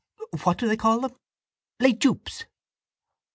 —What do they call them? —Les jupes.